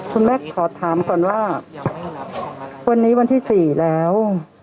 คุณแม่ขอถามก่อนว่าวันนี้วันที่๔แล้ว